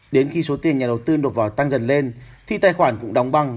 đến khi số tiền nhà đầu tư nộp vào tăng dần lên thì tài khoản cũng đóng băng